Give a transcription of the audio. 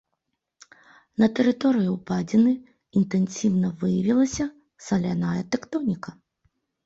На тэрыторыі ўпадзіны інтэнсіўна выявілася саляная тэктоніка.